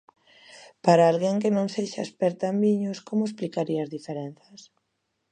Para alguén que non sexa experta en viños, como explicaría as diferenzas?